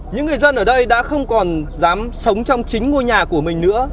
những người dân ở đây đã không còn dám sống trong chính ngôi nhà của mình nữa